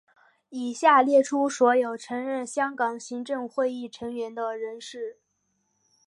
以下列出所有曾任香港行政会议成员的人士。